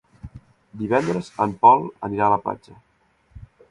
Divendres en Pol anirà a la platja.